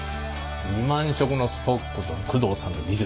２万色のストックと工藤さんの技術